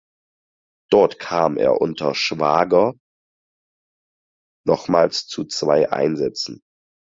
Dort kam er unter Schwager nochmals zu zwei Einsätzen.